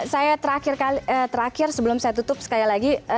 saya terakhir sebelum saya tutup sekali lagi